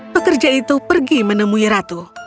pekerja itu pergi menemui ratu